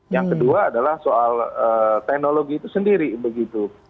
yang kedua adalah soal teknologi itu sendiri begitu